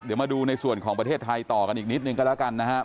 เดี๋ยวมาดูในส่วนของประเทศไทยต่อกันอีกนิดนึงก็แล้วกันนะครับ